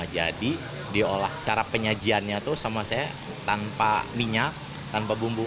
jadi diolah cara penyajiannya tuh sama saya tanpa minyak tanpa bumbu